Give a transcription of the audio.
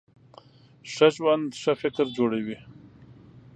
ښه ژوند ښه فکر جوړوي.